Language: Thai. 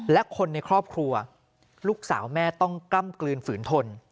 และคนในครอบครัวลูกสาวแม่ต้องกล้ำกลืนฝืนทน